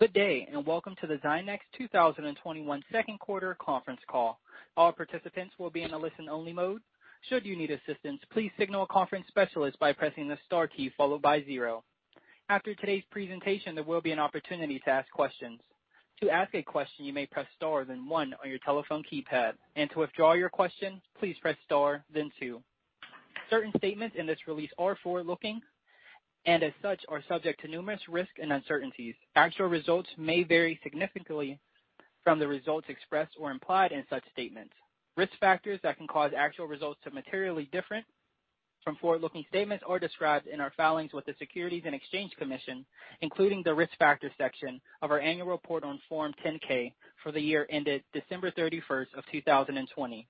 Good day, and welcome to the Zynex 2021 second quarter conference call. Certain statements in this release are forward-looking, and as such, are subject to numerous risks and uncertainties. Actual results may vary significantly from the results expressed or implied in such statements. Risk factors that can cause actual results to materially differ from forward-looking statements are described in our filings with the Securities and Exchange Commission, including the Risk Factors section of our annual report on Form 10-K for the year ended December 31st of 2020,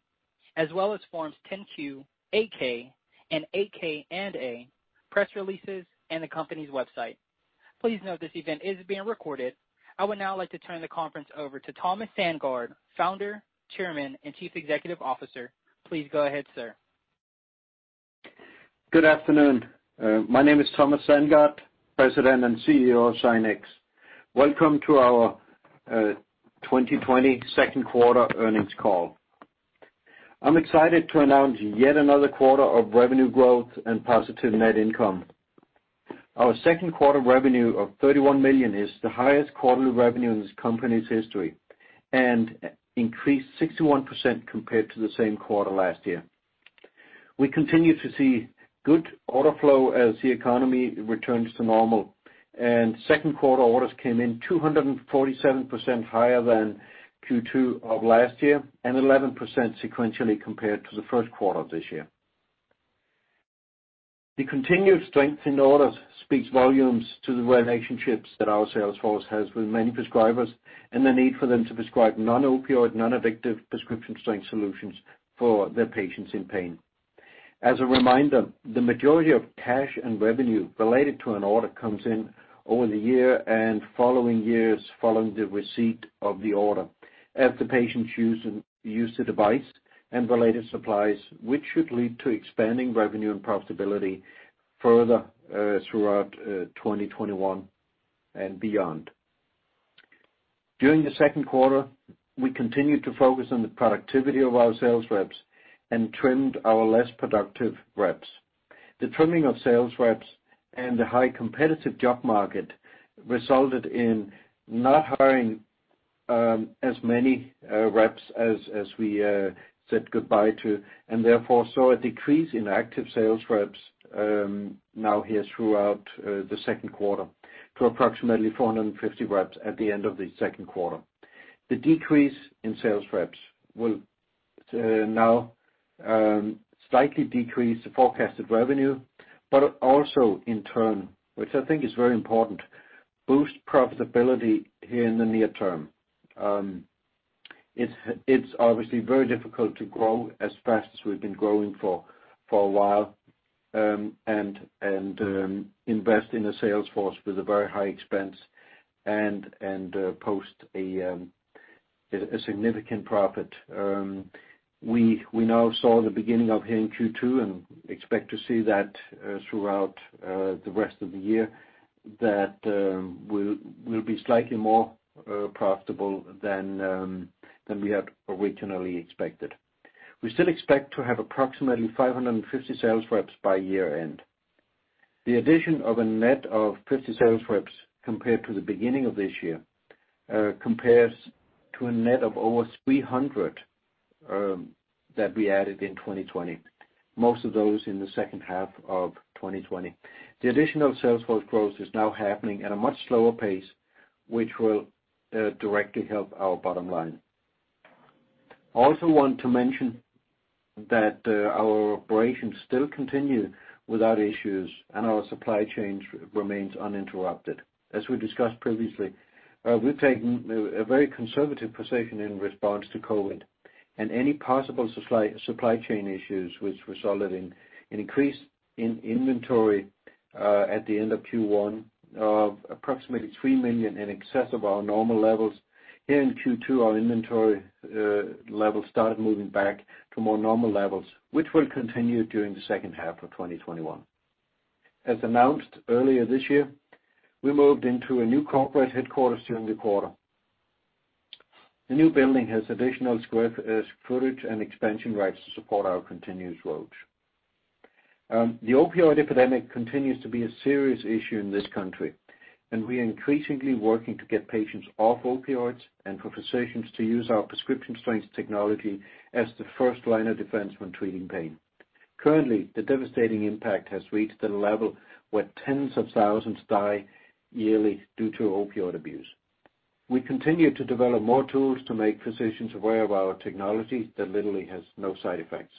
as well as Forms 10-Q, 8-K, and 8-K/A, press releases, and the company's website. Please note this event is being recorded. I would now like to turn the conference over to Thomas Sandgaard, Founder, Chairman, and Chief Executive Officer. Please go ahead, sir. Good afternoon. My name is Thomas Sandgaard, President and Chief Executive Officer of Zynex. Welcome to our 2020 second quarter earnings call. I'm excited to announce yet another quarter of revenue growth and positive net income. Our second quarter revenue of $31 million is the highest quarterly revenue in this company's history and increased 61% compared to the same quarter last year. We continue to see good order flow as the economy returns to normal, and second quarter orders came in 247% higher than Q2 of last year, and 11% sequentially compared to the first quarter of this year. The continued strength in orders speaks volumes to the relationships that our sales force has with many prescribers and the need for them to prescribe non-opioid, non-addictive prescription strength solutions for their patients in pain. As a reminder, the majority of cash and revenue related to an order comes in over the year and following years following the receipt of the order as the patients use the device and related supplies, which should lead to expanding revenue and profitability further throughout 2021 and beyond. During the second quarter, we continued to focus on the productivity of our sales reps and trimmed our less productive reps. The trimming of sales reps and the high competitive job market resulted in not hiring as many reps as we said goodbye to, and therefore, saw a decrease in active sales reps now here throughout the second quarter to approximately 450 reps at the end of the second quarter. The decrease in sales reps will now slightly decrease the forecasted revenue, but also, in turn, which I think is very important, boost profitability here in the near term. It's obviously very difficult to grow as fast as we've been growing for a while, and invest in a sales force with a very high expense and post a significant profit. We now saw the beginning of here in Q2 and expect to see that throughout the rest of the year that we'll be slightly more profitable than we had originally expected. We still expect to have approximately 550 sales reps by year-end. The addition of a net of 50 sales reps compared to the beginning of this year compares to a net of over 300 that we added in 2020, most of those in the second half of 2020. The additional sales force growth is now happening at a much slower pace, which will directly help our bottom line. I also want to mention that our operations still continue without issues, and our supply chains remains uninterrupted. As we discussed previously, we've taken a very conservative position in response to COVID and any possible supply chain issues which resulted in an increase in inventory at the end of Q1 of approximately $3 million in excess of our normal levels. Here in Q2, our inventory levels started moving back to more normal levels, which will continue during the second half of 2021. As announced earlier this year, we moved into a new corporate headquarters during the quarter. The new building has additional square footage and expansion rights to support our continued growth. The opioid epidemic continues to be a serious issue in this country, and we are increasingly working to get patients off opioids and for physicians to use our prescription strength technology as the first line of defense when treating pain. Currently, the devastating impact has reached a level where tens of thousands die yearly due to opioid abuse. We continue to develop more tools to make physicians aware of our technology that literally has no side effects.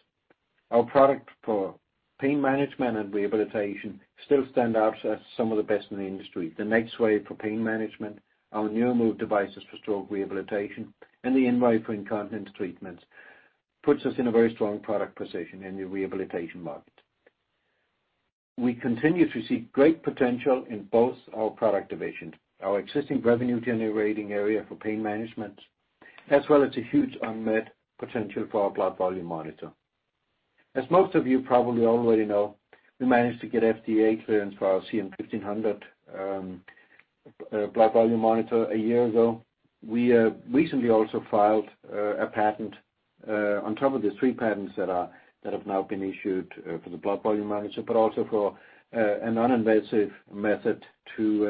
Our product for pain management and rehabilitation still stand out as some of the best in the industry. The NexWave for pain management, our NeuroMove devices for stroke rehabilitation, and the InWave for incontinence treatments puts us in a very strong product position in the rehabilitation market. We continue to see great potential in both our product divisions, our existing revenue-generating area for pain management, as well as a huge unmet potential for our blood volume monitor. As most of you probably already know, we managed to get FDA clearance for our CM-1500 blood volume monitor a year ago. We recently also filed a patent on top of the three patents that have now been issued for the blood volume monitor, but also for a non-invasive method to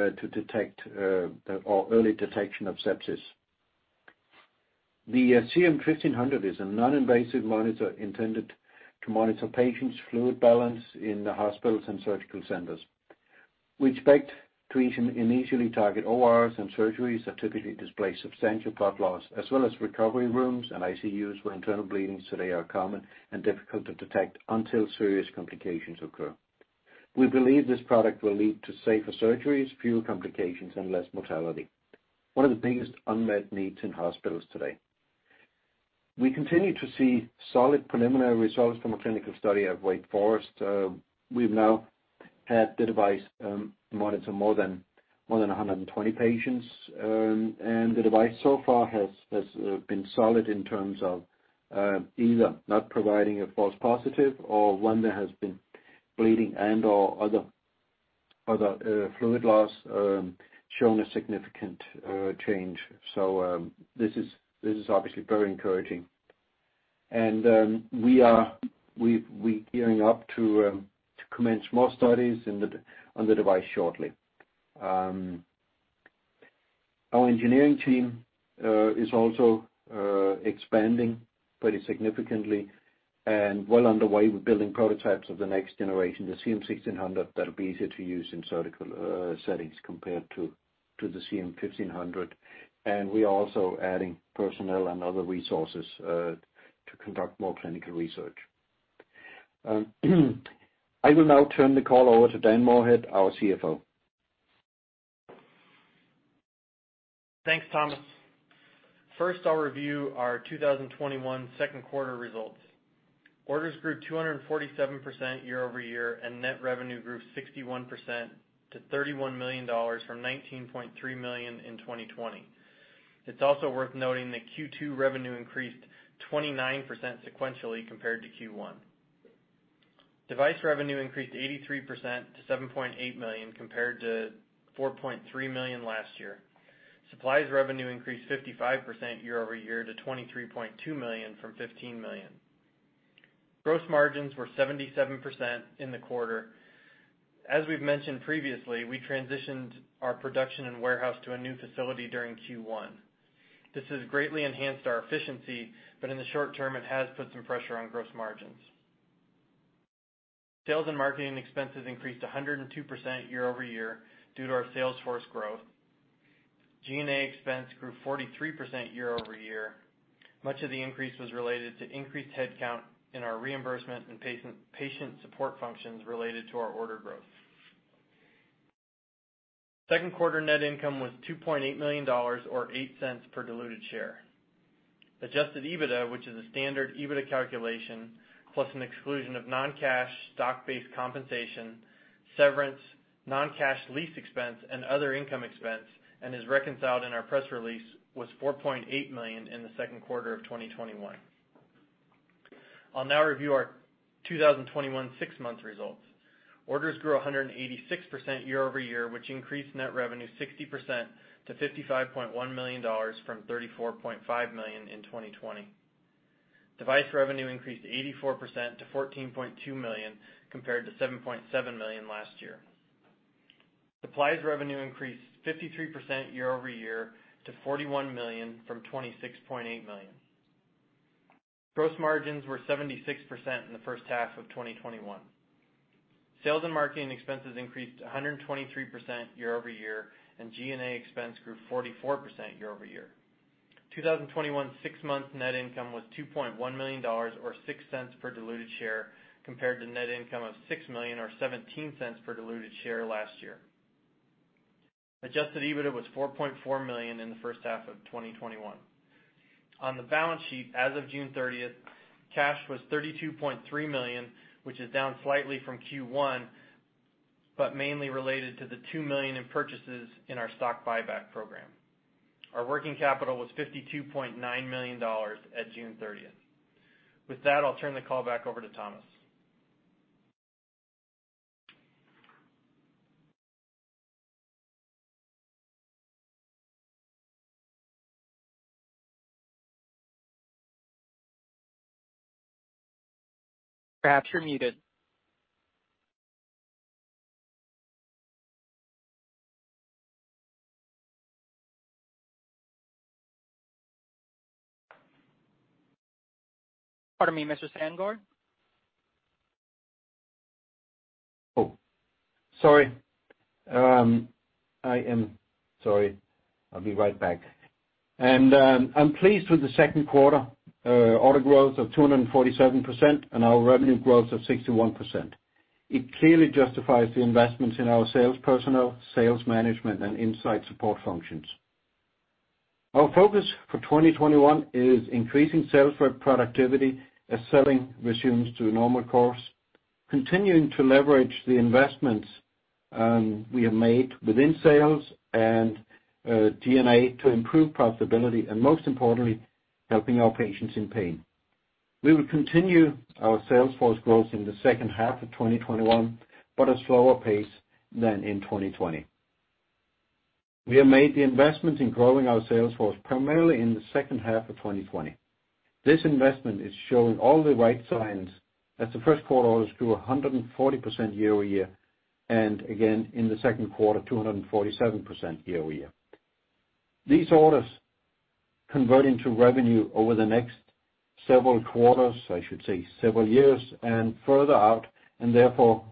early detection of sepsis. The CM-1500 is a non-invasive monitor intended to monitor patients' fluid balance in hospitals and surgical centers. We expect to initially target ORs and surgeries that typically display substantial blood loss, as well as recovery rooms and ICUs, where internal bleedings today are common and difficult to detect until serious complications occur. We believe this product will lead to safer surgeries, fewer complications, and less mortality. One of the biggest unmet needs in hospitals today. We continue to see solid preliminary results from a clinical study at Wake Forest. We've now had the device monitor more than 120 patients, and the device so far has been solid in terms of either not providing a false positive or when there has been bleeding and/or other fluid loss, showing a significant change. This is obviously very encouraging. We are gearing up to commence more studies on the device shortly. Our engineering team is also expanding pretty significantly and well underway with building prototypes of the next generation, the CM-1600, that'll be easier to use in surgical settings compared to the CM-1500. We are also adding personnel and other resources to conduct more clinical research. I will now turn the call over to Dan Moorhead, our CFO. Thanks, Thomas. First, I'll review our 2021 second quarter results. Orders grew 247% year-over-year, and net revenue grew 61% to $31 million from $19.3 million in 2020. It's also worth noting that Q2 revenue increased 29% sequentially compared to Q1. Device revenue increased 83% to $7.8 million, compared to $4.3 million last year. Supplies revenue increased 55% year-over-year to $23.2 million from $15 million. Gross margins were 77% in the quarter. As we've mentioned previously, we transitioned our production and warehouse to a new facility during Q1. This has greatly enhanced our efficiency, but in the short term, it has put some pressure on gross margins. Sales and marketing expenses increased 102% year-over-year due to our sales force growth. G&A expense grew 43% year-over-year. Much of the increase was related to increased headcount in our reimbursement and patient support functions related to our order growth. Second quarter net income was $2.8 million, or $0.08 per diluted share. Adjusted EBITDA, which is a standard EBITDA calculation, plus an exclusion of non-cash stock-based compensation, severance, non-cash lease expense, and other income expense, and is reconciled in our press release, was $4.8 million in the second quarter of 2021. I'll now review our 2021 six-month results. Orders grew 186% year-over-year, which increased net revenue 60% to $55.1 million from $34.5 million in 2020. Device revenue increased 84% to $14.2 million, compared to $7.7 million last year. Supplies revenue increased 53% year-over-year to $41 million from $26.8 million. Gross margins were 76% in the first half of 2021. Sales and marketing expenses increased 123% year-over-year, and G&A expense grew 44% year-over-year. 2021 six-month net income was $2.1 million or $0.06 per diluted share compared to net income of $6 million or $0.17 per diluted share last year. Adjusted EBITDA was $4.4 million in the first half of 2021. On the balance sheet, as of June 30th, cash was $32.3 million, which is down slightly from Q1, but mainly related to the $2 million in purchases in our stock buyback program. Our working capital was $52.9 million at June 30th. With that, I'll turn the call back over to Thomas. Perhaps you're muted. Pardon me, Mr. Sandgaard. Oh, sorry. I am sorry. I'll be right back. I'm pleased with the second quarter order growth of 247% and our revenue growth of 61%. It clearly justifies the investments in our sales personnel, sales management, and inside support functions. Our focus for 2021 is increasing sales rep productivity as selling resumes to a normal course. Continuing to leverage the investments we have made within sales and G&A to improve profitability, and most importantly, helping our patients in pain. We will continue our sales force growth in the second half of 2021, but at a slower pace than in 2020. We have made the investments in growing our sales force primarily in the second half of 2020. This investment is showing all the right signs as the first quarter orders grew 140% year-over-year, and again, in the second quarter, 247% year-over-year. These orders convert into revenue over the next several quarters, I should say, several years and further out, and therefore,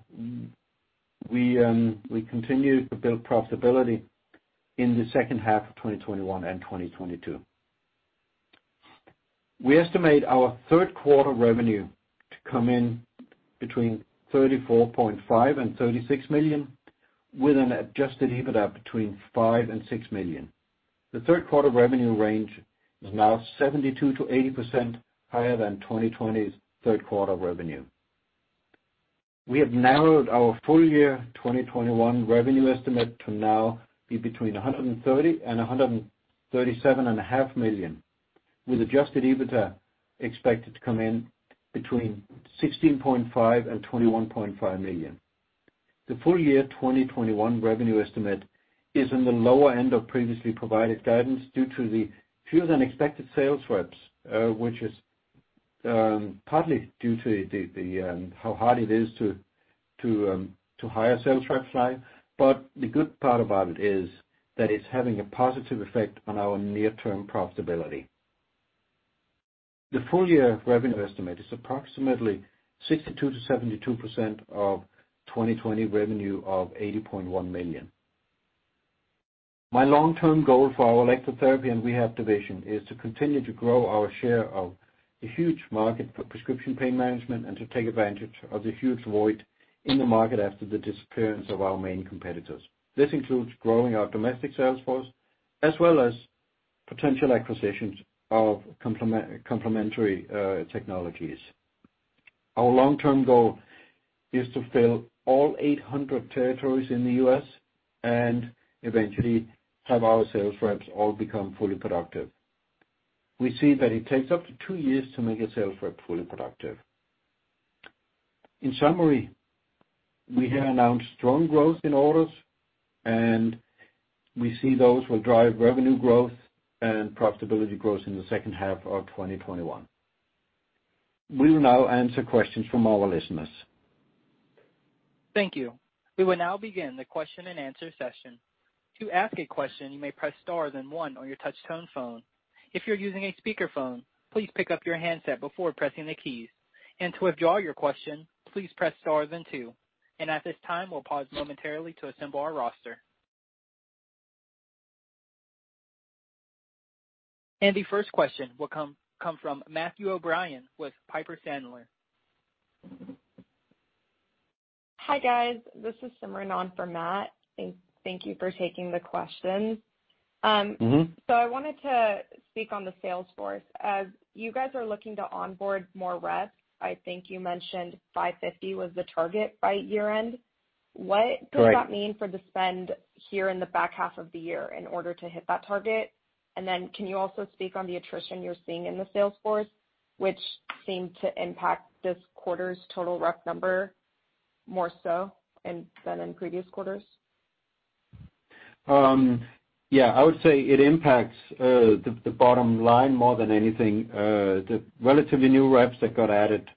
we continue to build profitability in the second half of 2021 and 2022. We estimate our third quarter revenue to come in between $34.5 million-$36 million, with an adjusted EBITDA between $5 million-$6 million. The third quarter revenue range is now 72%-80% higher than 2020's third quarter revenue. We have narrowed our full year 2021 revenue estimate to now be between $130 million-$137.5 million, with adjusted EBITDA expected to come in between $16.5 million-$21.5 million. The full year 2021 revenue estimate is in the lower end of previously provided guidance due to the fewer than expected sales reps, which is partly due to how hard it is to hire sales reps now. The good part about it is that it's having a positive effect on our near-term profitability. The full-year revenue estimate is approximately 62%-72% of 2020 revenue of $80.1 million. My long-term goal for our electrotherapy and rehab division is to continue to grow our share of the huge market for prescription pain management and to take advantage of the huge void in the market after the disappearance of our main competitors. This includes growing our domestic sales force, as well as potential acquisitions of complementary technologies. Our long-term goal is to fill all 800 territories in the U.S. and eventually have our sales reps all become fully productive. We see that it takes up to two years to make a sales rep fully productive. In summary, we have announced strong growth in orders, and we see those will drive revenue growth and profitability growth in the second half of 2021. We'll now answer questions from all our listeners. Thank you. We will now begin the question and answer session. To ask a question, you may press star then one on your touch tone phone. If you're using a speakerphone, please pick up your handset before pressing the keys. To withdraw your question, please press star then two. At this time, we'll pause momentarily to assemble our roster. The 1st question will come from Matthew O'Brien with Piper Sandler. Hi, guys. This is Simran on for Matt. Thank you for taking the questions. I wanted to speak on the sales force. As you guys are looking to onboard more reps, I think you mentioned 550 was the target by year end. Right. What does that mean for the spend here in the back half of the year in order to hit that target? Can you also speak on the attrition you're seeing in the sales force, which seemed to impact this quarter's total rep number more so than in previous quarters? Yeah. I would say it impacts the bottom line more than anything. The relatively new reps that got added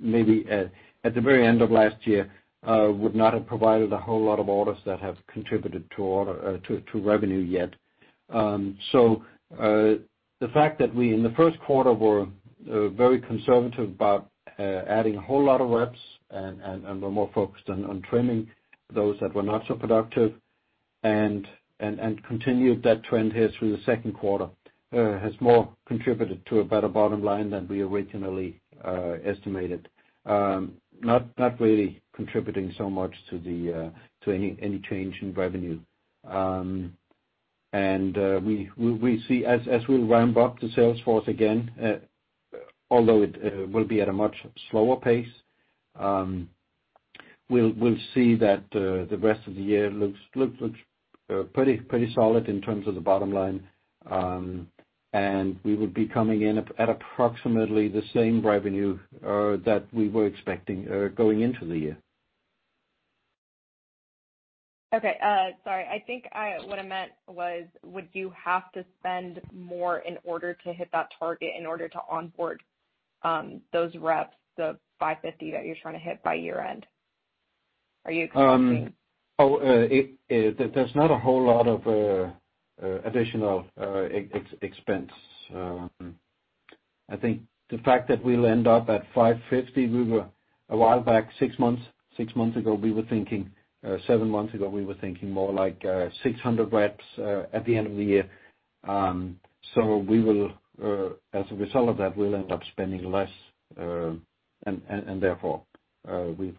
maybe at the very end of last year would not have provided a whole lot of orders that have contributed to revenue yet. The fact that we, in the first quarter, were very conservative about adding a whole lot of reps and were more focused on trimming those that were not so productive and continued that trend here through the second quarter has more contributed to a better bottom line than we originally estimated. Not really contributing so much to any change in revenue. We see as we ramp up the sales force again, although it will be at a much slower pace, we'll see that the rest of the year looks pretty solid in terms of the bottom line. We would be coming in at approximately the same revenue that we were expecting going into the year. Okay. Sorry. I think what I meant was, would you have to spend more in order to hit that target in order to onboard those reps, the 550 reps that you're trying to hit by year end? There's not a whole lot of additional expense. I think the fact that we'll end up at 550 reps, a while back, six months ago, seven months ago, we were thinking more like 600 reps at the end of the year. As a result of that, we'll end up spending less, and therefore, we're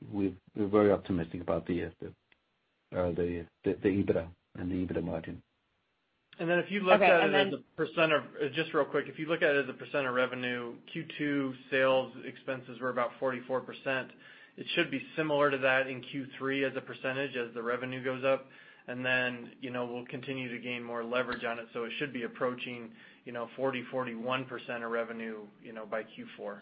very optimistic about the EBITDA and the EBITDA margin If you look at it as a percent of revenue, Q2 sales expenses were about 44%. It should be similar to that in Q3 as a percentage as the revenue goes up, and then we'll continue to gain more leverage on it, so it should be approaching 40%, 41% of revenue by Q4.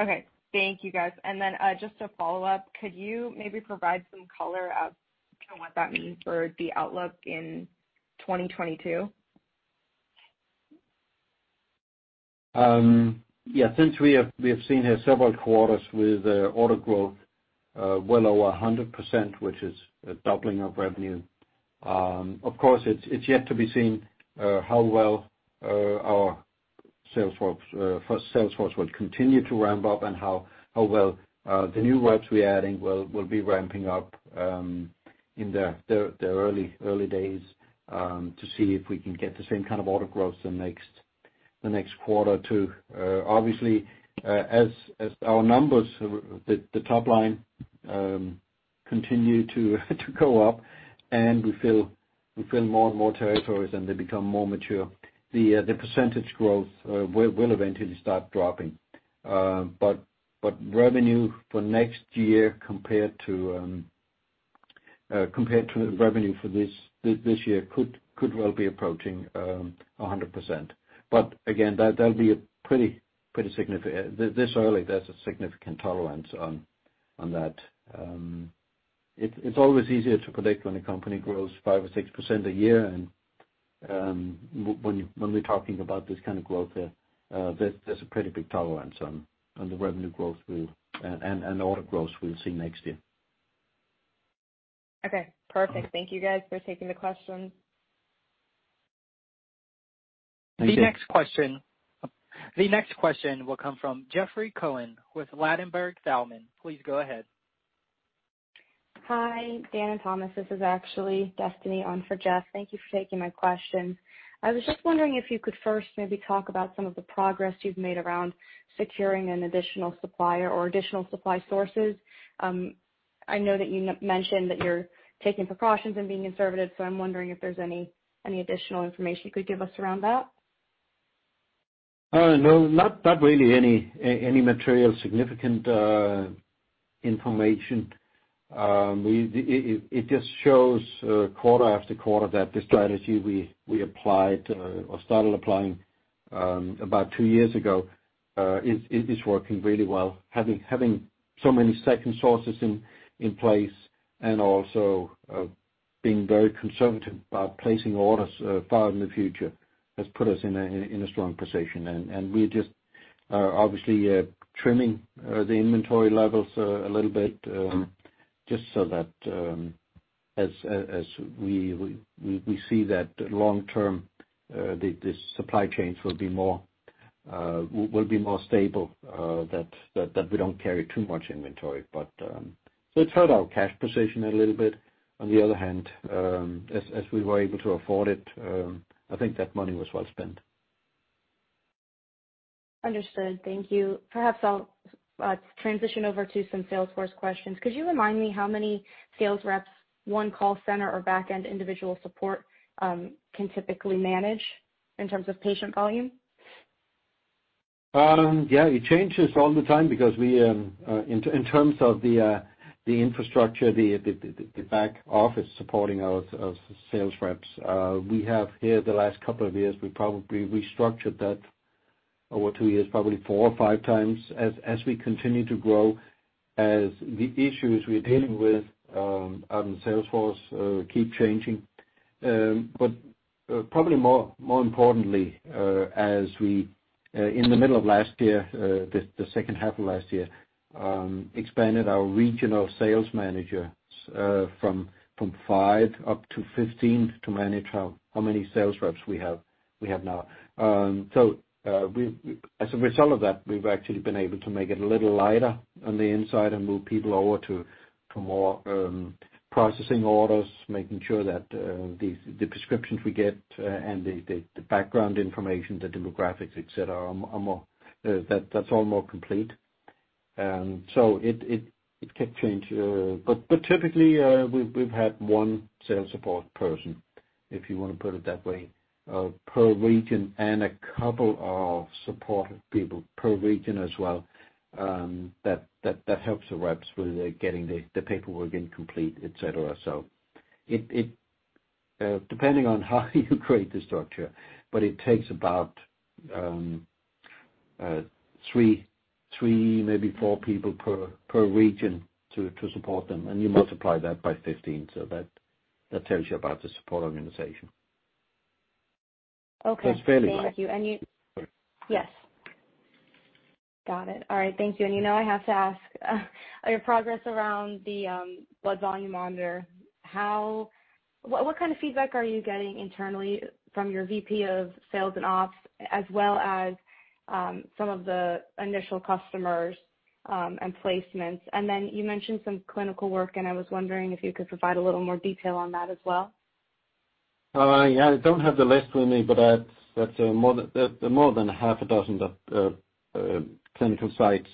Okay. Thank you guys. Then just a follow-up, could you maybe provide some color as to what that means for the outlook in 2022? Yeah. Since we have seen here several quarters with order growth well over 100%, which is a doubling of revenue. Of course, it's yet to be seen how well our sales force will continue to ramp up and how well the new reps we're adding will be ramping up in their early days to see if we can get the same kind of order growth the next quarter too. Obviously, as our numbers, the top line, continue to go up and we fill more and more territories and they become more mature, the percentage growth will eventually start dropping. Revenue for next year compared to the revenue for this year could well be approaching 100%. Again, this early, there's a significant tolerance on that. It's always easier to predict when a company grows 5% or 6% a year. When we're talking about this kind of growth here, there's a pretty big tolerance on the revenue growth and order growth we'll see next year. Okay. Perfect. Thank you guys for taking the questions. Thank you. The next question will come from Jeffrey Cohen with Ladenburg Thalmann. Please go ahead. Hi, Dan and Thomas. This is actually Destiny on for Jeffrey Cohen. Thank you for taking my question. I was just wondering if you could first maybe talk about some of the progress you've made around securing an additional supplier or additional supply sources. I know that you mentioned that you're taking precautions and being conservative, so I'm wondering if there's any additional information you could give us around that. No, not really any material significant information. It just shows quarter after quarter that the strategy we applied or started applying about two years ago is working really well. Having so many second sources in place and also being very conservative about placing orders far in the future has put us in a strong position. We're just obviously trimming the inventory levels a little bit just so that as we see that long term, the supply chains will be more stable, that we don't carry too much inventory. It's hurt our cash position a little bit. On the other hand, as we were able to afford it, I think that money was well spent. Understood. Thank you. Perhaps I'll transition over to some sales force questions. Could you remind me how many sales reps one call center or back-end individual support can typically manage in terms of patient volume? It changes all the time because in terms of the infrastructure, the back office supporting our sales reps. Here, the last couple of years, we probably restructured that over two years, probably four or five times, as we continue to grow, as the issues we're dealing with out in the sales force keep changing. Probably more importantly, as we, in the middle of last year, the second half of last year, expanded our regional sales managers from five up to 15 to manage how many sales reps we have now. As a result of that, we've actually been able to make it a little lighter on the inside and move people over to more processing orders, making sure that the prescriptions we get and the background information, the demographics, et cetera, that's all more complete. It can change. Typically, we've had one sales support person, if you want to put it that way, per region and a couple of support people per region as well that helps the reps with getting the paperwork in complete, et cetera. Depending on how you create the structure, it takes about three, maybe four people per region to support them. You multiply that by 15. That tells you about the support organization. Okay. That's fairly wide. Thank you. You-- Yes. Got it. All right. Thank you. You know I have to ask, your progress around the blood volume monitor. What kind of feedback are you getting internally from your VP of Sales and Ops as well as some of the initial customers and placements? Then you mentioned some clinical work, and I was wondering if you could provide a little more detail on that as well. Yeah, I don't have the list with me, but that's more than half a dozen of clinical sites,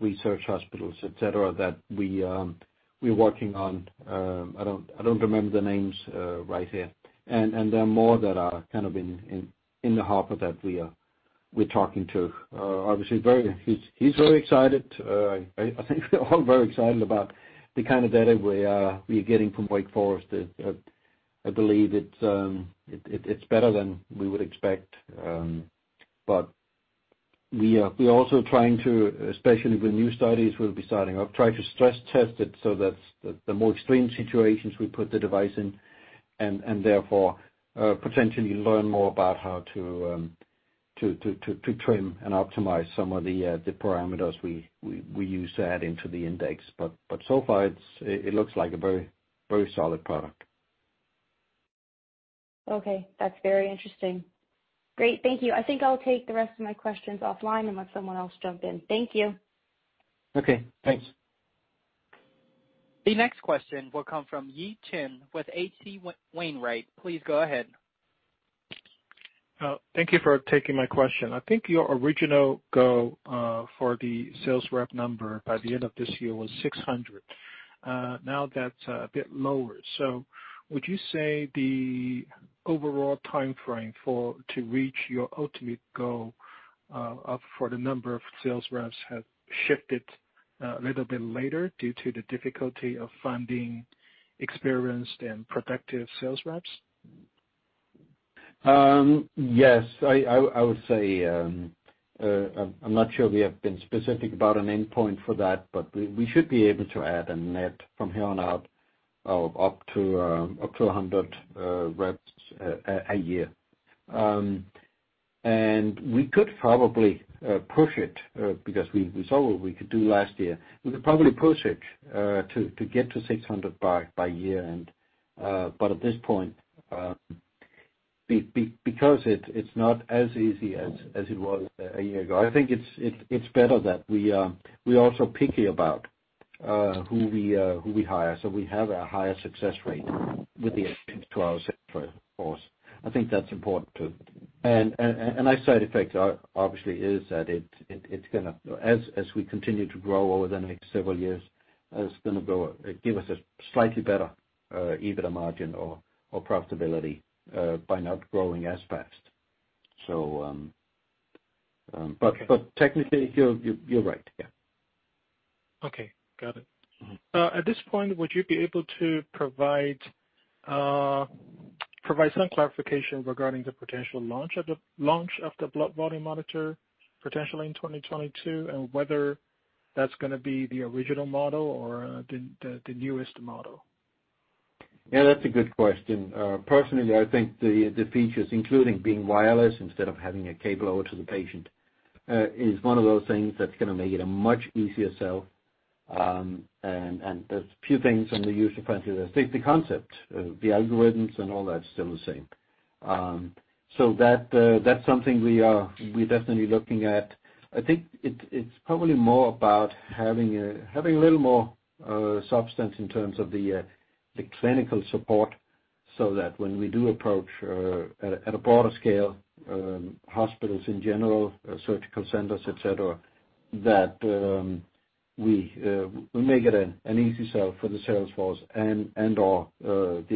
research hospitals, et cetera, that we're working on. I don't remember the names right here. There are more that are in the hopper that we're talking to. Obviously, he's very excited. I think we're all very excited about the kind of data we are getting from Wake Forest. I believe it's better than we would expect. We're also trying to, especially with new studies we'll be starting up, try to stress test it so that the more extreme situations we put the device in, and therefore, potentially learn more about how to trim and optimize some of the parameters we use to add into the index. So far, it looks like a very solid product. Okay. That's very interesting. Great. Thank you. I think I'll take the rest of my questions offline and let someone else jump in. Thank you. Okay. Thanks. The next question will come from Yi Chen with H.C. Wainwright & Co. Please go ahead. Thank you for taking my question. I think your original goal for the sales rep number by the end of this year was 600. Now that's a bit lower. Would you say the overall timeframe to reach your ultimate goal for the number of sales reps have shifted a little bit later due to the difficulty of finding experienced and productive sales reps? Yes. I would say, I'm not sure we have been specific about an endpoint for that, but we should be able to add a net from here on out of up to 100 reps a year. We could probably push it, because we saw what we could do last year. We could probably push it to get to 600 reps by year end. At this point, because it's not as easy as it was a year ago, I think it's better that we are also picky about who we hire, so we have a higher success rate with the additions to our sales force. I think that's important, too. A nice side effect, obviously, is that as we continue to grow over the next several years, it's going to give us a slightly better EBITDA margin or profitability by not growing as fast. Technically, you're right. Yeah. Okay. Got it. At this point, would you be able to provide some clarification regarding the potential launch of the blood volume monitor, potentially in 2022, and whether that's going to be the original model or the newest model? Yeah, that's a good question. Personally, I think the features, including being wireless instead of having a cable over to the patient, is one of those things that's going to make it a much easier sell. There's a few things from the user point of view. The safety concept, the algorithms and all that is still the same. That's something we're definitely looking at. I think it's probably more about having a little more substance in terms of the clinical support, so that when we do approach at a broader scale, hospitals in general, surgical centers, et cetera, that we make it an easy sell for the sales force and/or the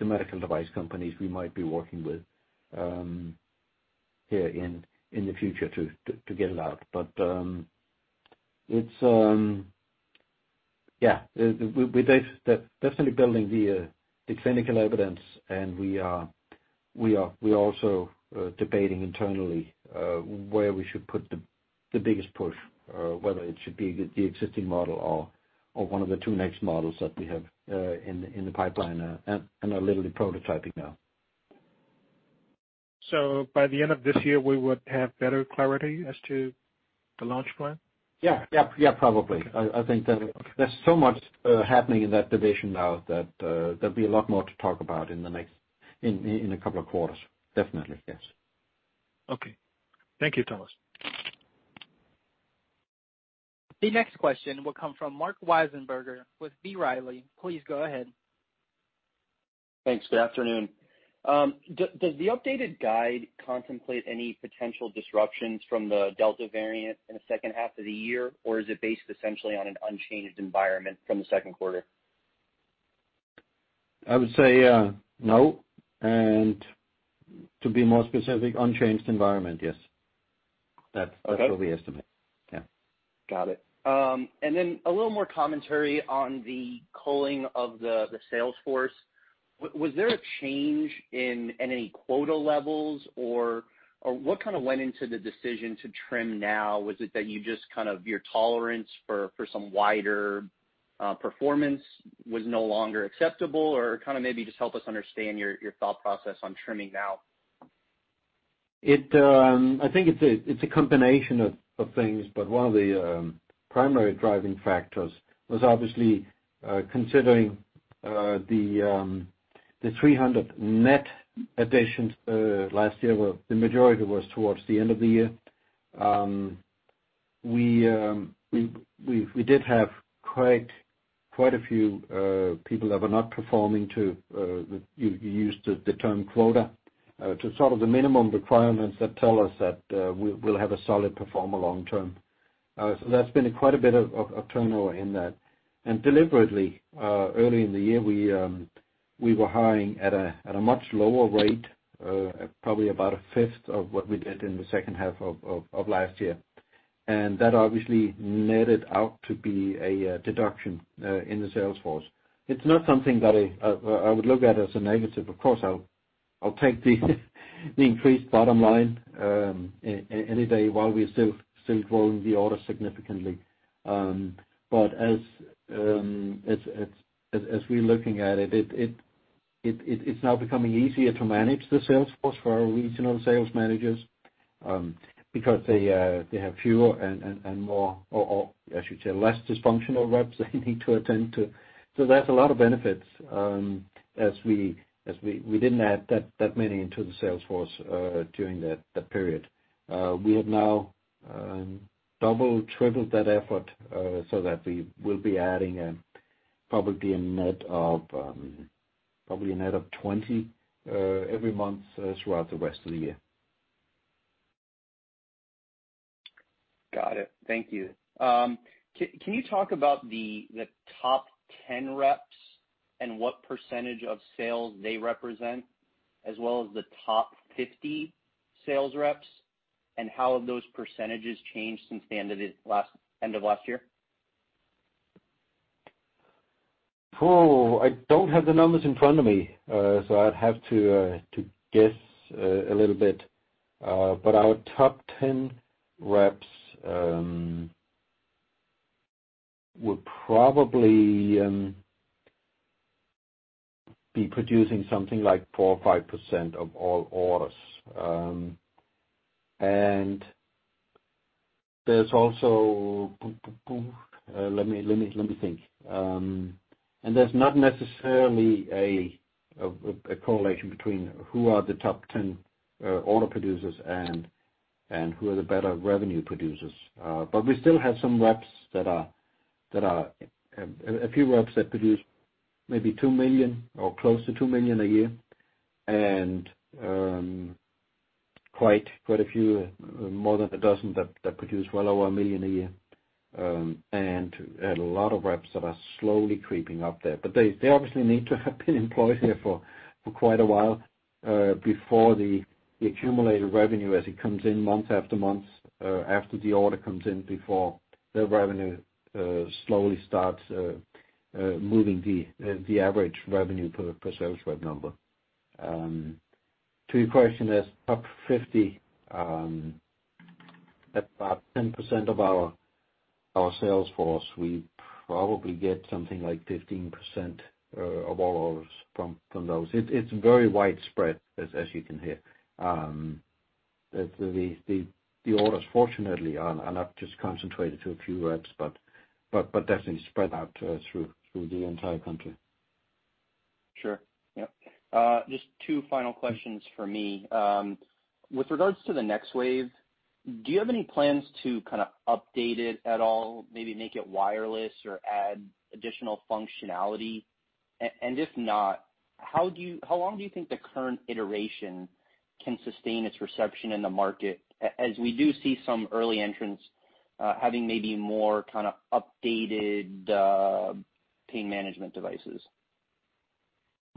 medical device companies we might be working with here in the future to get it out. Yeah. We're definitely building the clinical evidence, and we are also debating internally where we should put the biggest push, whether it should be the existing model or one of the 2 next models that we have in the pipeline and are literally prototyping now. By the end of this year, we would have better clarity as to the launch plan? Yeah, probably. Okay. I think there's so much happening in that division now that there'll be a lot more to talk about in a couple of quarters. Definitely, yes. Okay. Thank you, Thomas. The next question will come from Marc Wiesenberger with B. Riley Securities. Please go ahead. Thanks. Good afternoon. Does the updated guide contemplate any potential disruptions from the Delta variant in the second half of the year, or is it based essentially on an unchanged environment from the second quarter? I would say no. To be more specific, unchanged environment, yes. Okay. That's what we estimate. Yeah. Got it. Then a little more commentary on the culling of the sales force. Was there a change in any quota levels, or what went into the decision to trim now? Was it that your tolerance for some wider performance was no longer acceptable, or maybe just help us understand your thought process on trimming now? I think it's a combination of things. One of the primary driving factors was obviously considering the 300 net additions last year, where the majority was towards the end of the year. We did have quite a few people that were not performing to, you used the term quota, to sort of the minimum requirements that tell us that we'll have a solid performer long term. That's been quite a bit of turnover in that. Deliberately, early in the year, we were hiring at a much lower rate, probably about a fifth of what we did in the second half of last year. That obviously netted out to be a deduction in the sales force. It's not something that I would look at as a negative. Of course, I'll take the increased bottom line any day while we're still growing the order significantly. As we're looking at it's now becoming easier to manage the sales force for our regional sales managers, because they have fewer and more, or I should say, less dysfunctional reps they need to attend to. There's a lot of benefits, as we didn't add that many into the sales force during that period. We have now tripled that effort, so that we will be adding probably a net of 20 every month throughout the rest of the year. Got it. Thank you. Can you talk about the top 10 reps and what percentage of sales they represent, as well as the top 50 sales reps, and how have those percentage changed since the end of last year? I don't have the numbers in front of me. I'd have to guess a little bit. Our top 10 reps would probably be producing something like 4% or 5% of all orders. Let me think. There's not necessarily a correlation between who are the top 10 order producers and who are the better revenue producers. We still have a few reps that produce maybe $2 million or close to $2 million a year, and quite a few, more than 12 that produce well over $1 million a year. A lot of reps that are slowly creeping up there. They obviously need to have been employed here for quite a while before the accumulated revenue as it comes in month after month, after the order comes in, before their revenue slowly starts moving the average revenue per sales rep number. To your question, there's top 50, about 10% of our sales force. We probably get something like 15% of all orders from those. It's very widespread, as you can hear. The orders, fortunately, are not just concentrated to a few reps, but definitely spread out through the entire country. Sure. Yep. Just two final questions from me. With regards to the NexWave, do you have any plans to kind of update it at all, maybe make it wireless or add additional functionality? If not, how long do you think the current iteration can sustain its reception in the market, as we do see some early entrants having maybe more kind of updated pain management devices?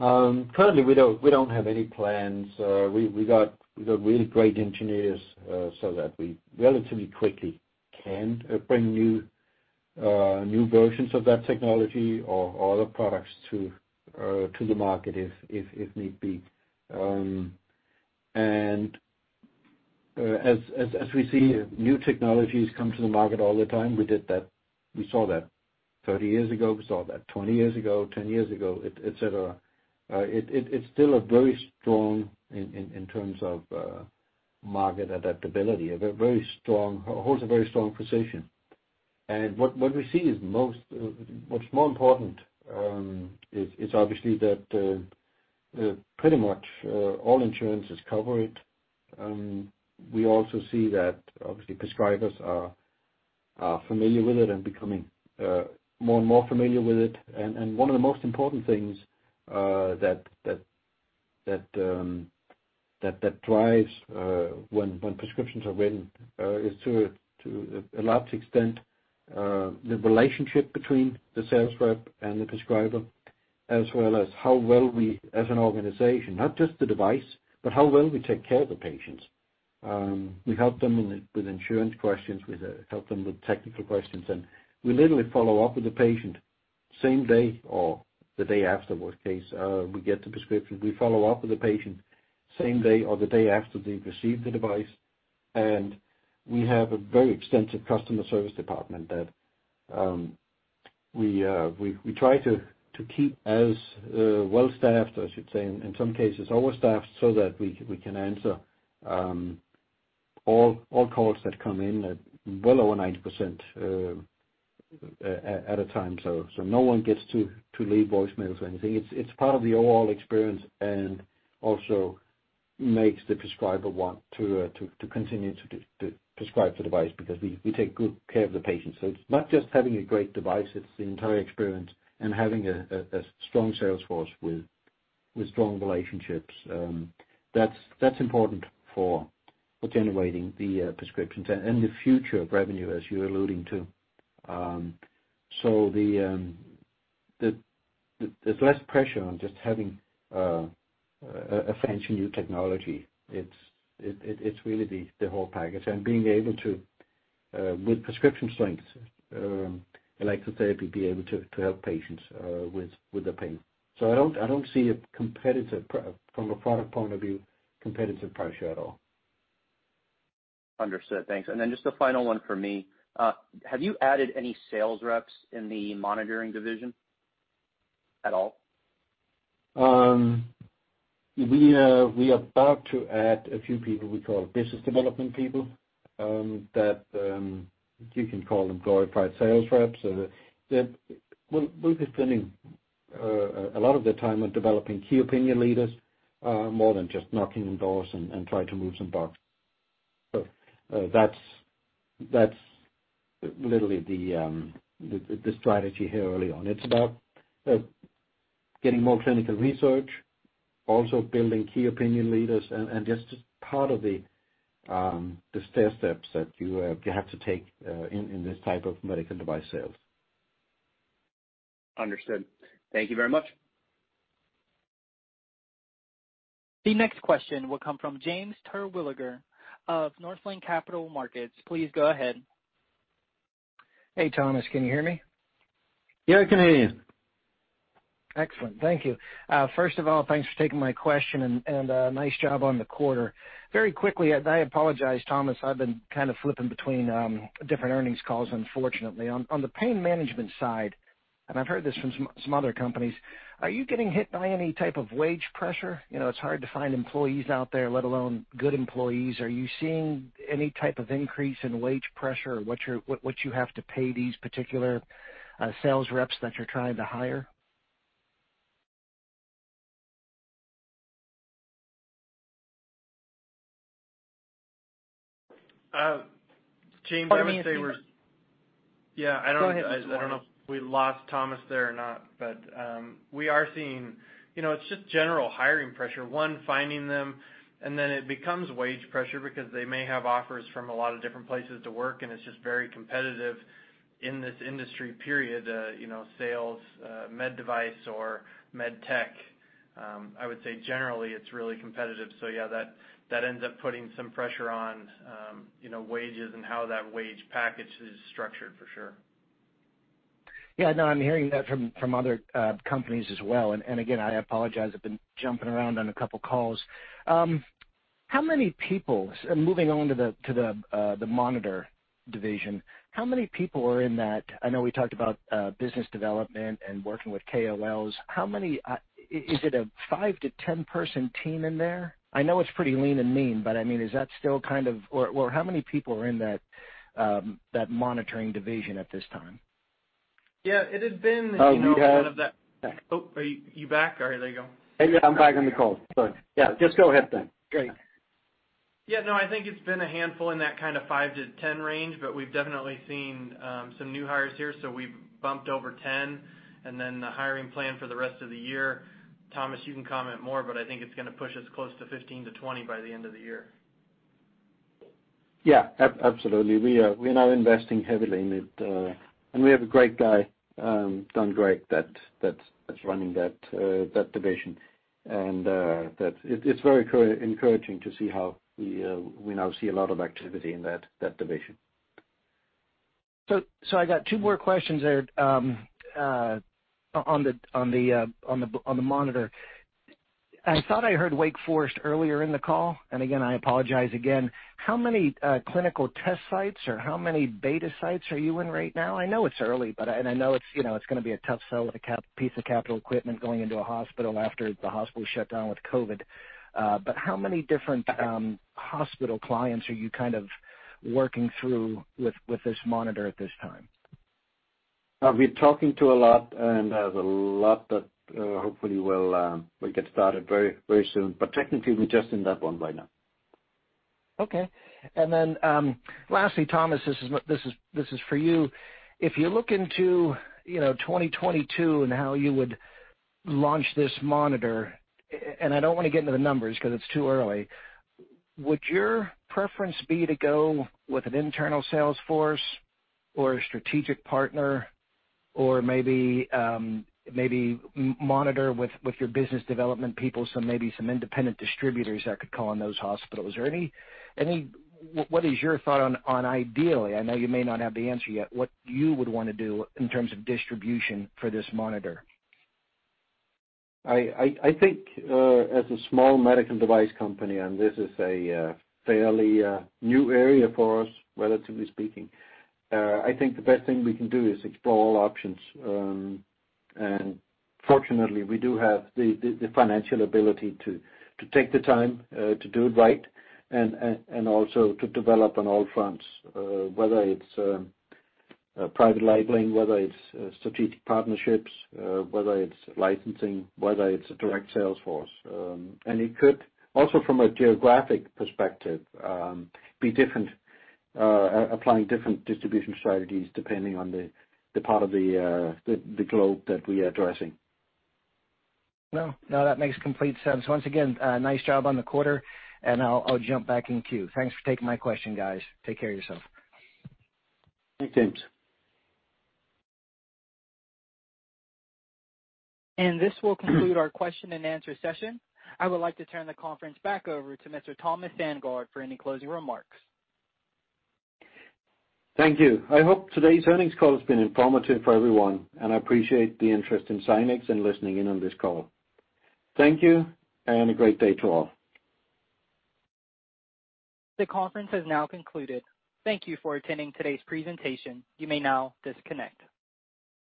Currently, we don't have any plans. We got really great engineers, so that we relatively quickly can bring new versions of that technology or other products to the market if need be. We see new technologies come to the market all the time, we saw that 30 years ago, we saw that 20 years ago, 10 years ago, et cetera. It's still very strong in terms of market adaptability, holds a very strong position. We see is what's more important is obviously that pretty much all insurances cover it. We also see that obviously prescribers are familiar with it and becoming more and more familiar with it. One of the most important things that drives when prescriptions are written is, to a large extent, the relationship between the sales rep and the prescriber, as well as how well we, as an organization, not just the device, but how well we take care of the patients. We help them with insurance questions, we help them with technical questions, and we literally follow up with the patient same day or the day after. Worst case, we get the prescription, we follow up with the patient same day or the day after they've received the device. We have a very extensive customer service department that we try to keep as well-staffed, or I should say, in some cases, overstaffed, so that we can answer all calls that come in at well over 90% at a time. No one gets to leave voicemails or anything. It's part of the overall experience and also makes the prescriber want to continue to prescribe the device because we take good care of the patients. It's not just having a great device, it's the entire experience and having a strong sales force with strong relationships. That's important for generating the prescriptions and the future of revenue, as you're alluding to. There's less pressure on just having a fancy new technology. It's really the whole package. Being able to, with prescription strength electrotherapy, be able to help patients with the pain. I don't see a competitive, from a product point of view, competitive pressure at all. Understood. Thanks. Then just the final one for me. Have you added any sales reps in the monitoring division at all? We are about to add a few people we call business development people, that you can call them glorified sales reps. They will be spending a lot of their time on developing key opinion leaders, more than just knocking on doors and trying to move some boxes. That's literally the strategy here early on. It's about getting more clinical research, also building key opinion leaders and just part of the stairsteps that you have to take in this type of medical device sales. Understood. Thank you very much. The next question will come from James Terwilliger of Northland Capital Markets. Please go ahead. Hey, Thomas, can you hear me? Yeah, I can hear you. Excellent. Thank you. First of all, thanks for taking my question, and nice job on the quarter. Very quickly, I apologize, Thomas, I've been kind of flipping between different earnings calls, unfortunately. On the pain management side, I've heard this from some other companies, are you getting hit by any type of wage pressure? It's hard to find employees out there, let alone good employees. Are you seeing any type of increase in wage pressure or what you have to pay these particular sales reps that you're trying to hire? James, Go ahead, Thomas. Yeah, I don't know if we lost Thomas there or not, but we are seeing, it's just general hiring pressure. One, finding them, and then it becomes wage pressure because they may have offers from a lot of different places to work, and it's just very competitive in this industry, period. Sales, med device or med tech. I would say generally it's really competitive. Yeah, that ends up putting some pressure on wages and how that wage package is structured for sure. No, I'm hearing that from other companies as well. Again, I apologize, I've been jumping around on a couple calls. Moving on to the monitor division, how many people are in that? I know we talked about business development and working with KOLs. Is it a 5 to 10-person team in there? I know it's pretty lean and mean, I mean, how many people are in that monitoring division at this time? Yeah, it has been- We have- Oh, are you back? All right, there you go. Hey, yeah, I'm back on the call. Sorry. Yeah, just go ahead then. Great. Yeah, no, I think it's been a handful in that kind of five to 10 range, but we've definitely seen some new hires here, so we've bumped over 10. The hiring plan for the rest of the year, Thomas, you can comment more, but I think it's going to push us close to 15 to 20 by the end of the year. Yeah, absolutely. We are now investing heavily in it. We have a great guy, Donald Gregg, that's running that division. It's very encouraging to see how we now see a lot of activity in that division. I got two more questions there on the monitor. I thought I heard Wake Forest earlier in the call, and again, I apologize again. How many clinical test sites or how many beta sites are you in right now? I know it's early, and I know it's going to be a tough sell with a piece of capital equipment going into a hospital after the hospital shut down with COVID. How many different hospital clients are you kind of working through with this monitor at this time? We're talking to a lot and there's a lot that hopefully will get started very soon. Technically, we're just in that one right now. Lastly, Thomas, this is for you. If you look into 2022 and how you would launch this monitor, I don't want to get into the numbers because it's too early. Would your preference be to go with an internal sales force or a strategic partner or maybe monitor with your business development people, so maybe some independent distributors that could call on those hospitals? What is your thought on ideally, I know you may not have the answer yet, what you would want to do in terms of distribution for this monitor? I think, as a small medical device company, this is a fairly new area for us, relatively speaking, I think the best thing we can do is explore all options. Fortunately, we do have the financial ability to take the time to do it right and also to develop on all fronts, whether it's private labeling, whether it's strategic partnerships, whether it's licensing, whether it's a direct sales force. It could also, from a geographic perspective, be different, applying different distribution strategies depending on the part of the globe that we are addressing. Well, no, that makes complete sense. Once again, nice job on the quarter and I'll jump back in queue. Thanks for taking my question, guys. Take care of yourself. Thanks, James. This will conclude our question and answer session. I would like to turn the conference back over to Mr. Thomas Sandgaard for any closing remarks. Thank you. I hope today's earnings call has been informative for everyone. I appreciate the interest in Zynex and listening in on this call. Thank you, and a great day to all. The conference has now concluded. Thank you for attending today's presentation. You may now disconnect.